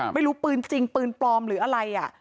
ไม่รู้ปืนจริงปืนปลอมหรืออะไร